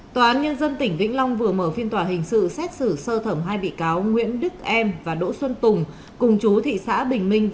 tòa án nhân dân tỉnh vĩnh long vừa mở phiên tòa hình sự xét xử sơ thẩm hai bị cáo nguyễn đức em và đỗ xuân tùng cùng chú thị xã bình minh